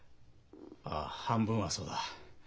ああ半分はそうだ。